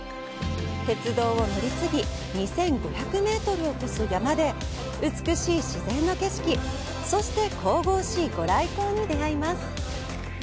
鉄道を乗り継ぎ、２５００メートルを越す山で美しい自然の景色、そして神々しいご来光に出会います。